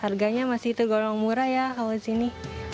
harganya masih tergolong murah ya kalau disini